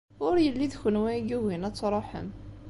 Ur yelli d kunwi i yugin ad tṛuḥem.